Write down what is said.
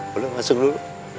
boleh masuk dulu